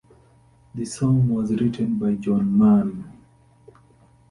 The song was written by John Mann.